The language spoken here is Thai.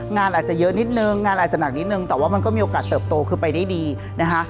งานอาจจะเยอะนิดนึงงานอาจจะหนักนิดนึงแต่ว่ามันก็มีโอกาสเติบโตคือไปได้ดีนะคะ